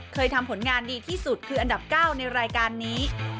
เคยทำผลงานดีที่สุดคืออันดับ๙ในรายการนี้